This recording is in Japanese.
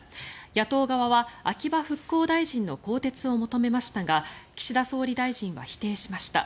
野党側は秋葉復興大臣の更迭を求めましたが岸田総理大臣は否定しました。